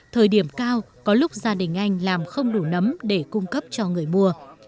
thời điểm cao có lúc gia đình anh làm không đủ nấm để cung cấp cho người mua